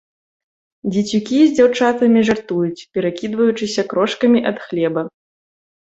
Дзецюкі з дзяўчатамі жартуюць, перакідваючыся крошкамі ад хлеба.